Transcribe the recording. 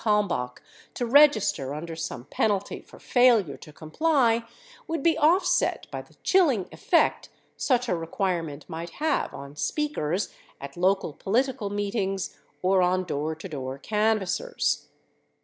Kalmbach to register under some penalty for failure to comply would be offset by the chilling effect such a re quirement might have on speakers at local political meetings or on door to door canvassers.